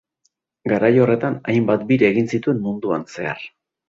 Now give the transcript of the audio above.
Garai horretan, hainbat bira egin zituen munduan zehar.